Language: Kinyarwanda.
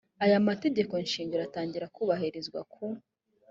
aya mategeko shingiro atangira kubahirizwa ku